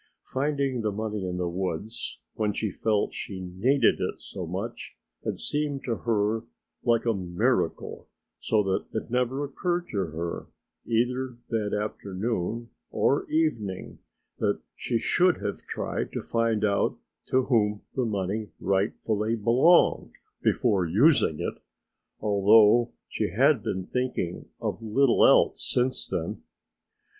Finding the money in the woods, when she felt she needed it so much, had seemed to her like a miracle, so that it never occurred to her, either that afternoon or evening, that she should have tried to find out to whom the money rightfully belonged before using it, although she had been thinking of little else since then.